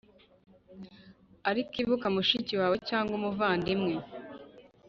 ariko ibuka mushiki wawe cyangwa umuvandimwe